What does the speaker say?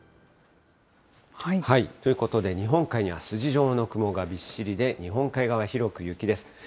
ということで、日本海には筋状の雲がびっしりで日本海側、広く雪です。